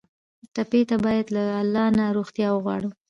ټپي ته باید له الله نه روغتیا وغواړو.